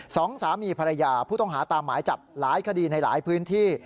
สองสามีภรรยาผู้ต้องหาตามหมายจับหลายคดีในหลายพื้นที่